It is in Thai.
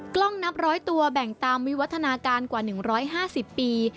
กล้องนับร้อยตัวแบ่งตามวิวัฒนาการกว่า๑๕๐ปี